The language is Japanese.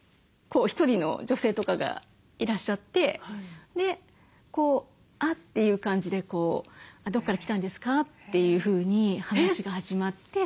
１人の女性とかがいらっしゃってあっていう感じで「どこから来たんですか？」というふうに話が始まってそこから。